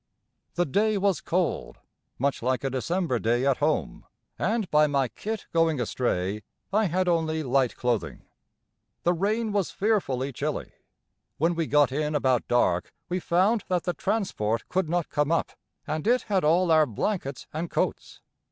The day was cold, much like a December day at home, and by my kit going astray I had only light clothing. The rain was fearfully chilly. When we got in about dark we found that the transport could not come up, and it had all our blankets and coats.